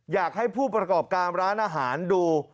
อยากให้ผู้ประกอบการร้านอาหารดู